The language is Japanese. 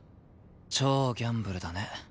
超ギャンブルだね。